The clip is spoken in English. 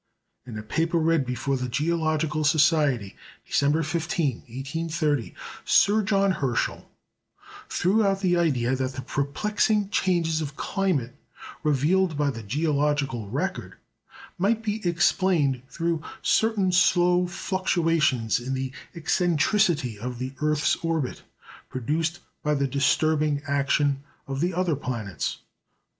In a paper read before the Geological Society, December 15, 1830, Sir John Herschel threw out the idea that the perplexing changes of climate revealed by the geological record might be explained through certain slow fluctuations in the eccentricity of the earth's orbit, produced by the disturbing action of the other planets.